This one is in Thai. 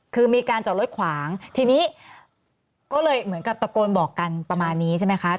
คือมีการจอดรถขวางทีนี้ก็เลยเหมือนกับตะโกนบอกกันประมาณนี้ใช่ไหมคะ